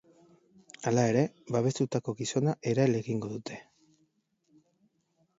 Hala ere, babestutako gizona erail egingo dute.